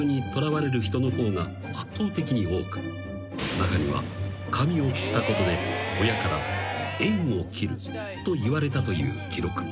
［中には髪を切ったことで親から縁を切るといわれたという記録も］